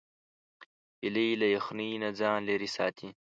هیلۍ له یخنۍ نه ځان لیرې ساتي